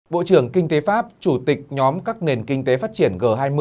bộ trưởng kinh tế pháp chủ tịch nhóm các nền kinh tế phát triển g hai mươi